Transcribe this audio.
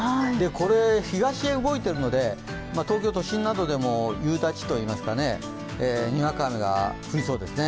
これ東へ動いているので、東京都心などでも夕立といいますかね、にわか雨が降りそうですね。